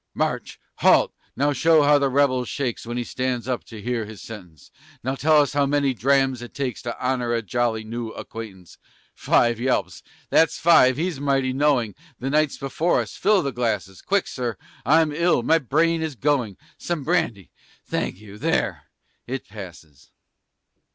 March! Halt! Now show how the rebel shakes When he stands up to hear his sentence. Now tell us how many drams it takes To honor a jolly new acquaintance. Five yelps, that's five; he's mighty knowing! The night's before us, fill the glasses! Quick, Sir! I'm ill, my brain is going! Some brandy, thank you, there! it passes!